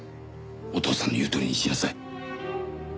お父さんの言うとおりにしなさい。